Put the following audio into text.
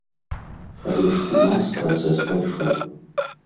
Але ж у нас працэс пайшоў.